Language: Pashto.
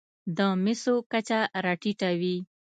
د مسو کچه راټېته وي.